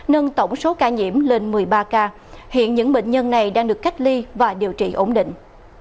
nâng tổng số ca nhiễm lên một mươi ba ca hiện những bệnh nhân này đang được cách ly và điều trị ổn định